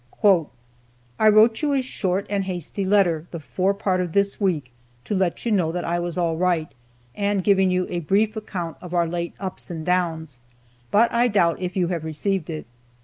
"I wrote you a short and hasty letter the fore part of this week to let you know that I was all right, and giving you a brief account of our late ups and downs, but I doubt if you have received it.